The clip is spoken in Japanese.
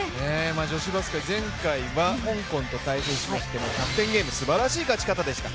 女子バスケ、前回は香港と対決しまして１００点ゲームすばらしい勝ち方でした。